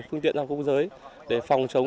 phương tiện hàng quốc giới để phòng chống